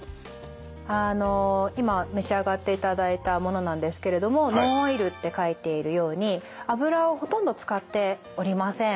あの今召し上がっていただいたものなんですけれどもノンオイルって書いているように油をほとんど使っておりません。